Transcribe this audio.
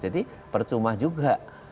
jadi percuma juga